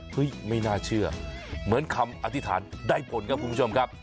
ไม่น่าเชื่อเหมือนคำอธิษฐานได้ผลครับคุณผู้ชมครับ